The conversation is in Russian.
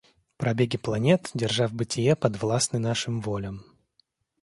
Пробеги планет, держав бытие подвластны нашим волям.